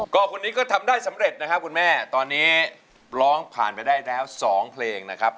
ก็คนนี้ก็ทำได้สำเร็จนะครับคุณแม่ตอนนี้ร้องผ่านไปได้แล้ว๒เพลงนะครับ